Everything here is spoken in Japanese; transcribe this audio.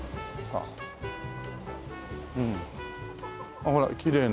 あっほらきれいな。